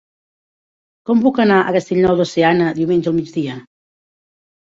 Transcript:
Com puc anar a Castellnou de Seana diumenge al migdia?